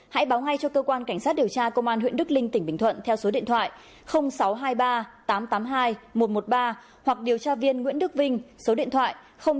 huyện đức linh tỉnh bình thuận theo số điện thoại sáu trăm hai mươi ba tám trăm tám mươi hai một trăm một mươi ba hoặc điều tra viên nguyễn đức vinh số điện thoại chín trăm linh bảy bảy trăm tám mươi chín sáu trăm năm mươi bảy